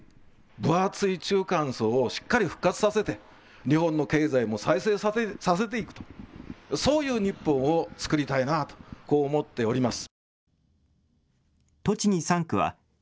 分厚い中間層をしっかり復活させて、日本の経済も再生させていくと、そういう日本をつくりたいなあと、こう思っております。